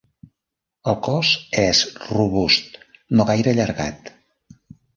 El cos és robust, no gaire allargat.